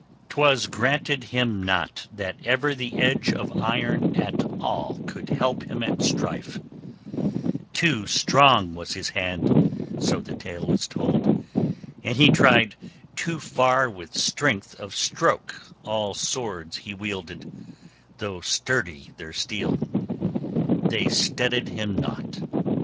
'Twas granted him not that ever the edge of iron at all could help him at strife: too strong was his hand, so the tale is told, and he tried too far with strength of stroke all swords he wielded, though sturdy their steel: they steaded him nought.